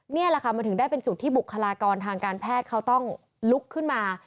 นี่แหละค่ะมันถึงได้เป็นจุดที่บุคลากรทางการแพทย์เขาต้องลุกขึ้นมา